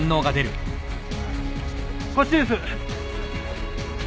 こっちです。